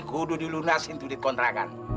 kudu dilunasin tutik kontrakan